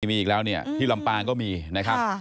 มีอีกแล้วเนี่ยที่ลำปางก็มีนะครับ